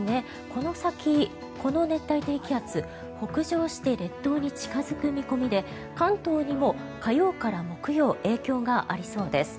この先、この熱帯低気圧北上して、列島に近付く見込みで関東にも火曜から木曜影響がありそうです。